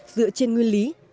dựa trên nguyên lý